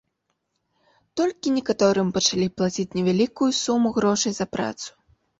Толькі некаторым пачалі плаціць невялікую суму грошай за працу.